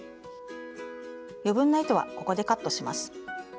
余分な糸はここでカットします。